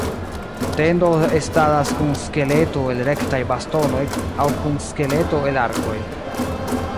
Tendo estadas kun skeleto el rektaj bastonoj aŭ kun skeleto el arkoj.